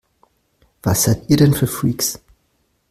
Was seid ihr denn für Freaks?